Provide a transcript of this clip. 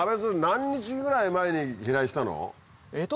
何日ぐらい前に飛来したの？